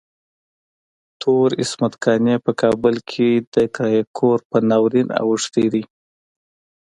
تور عصمت قانع په کابل کې د کرايي کور په ناورين اوښتی دی.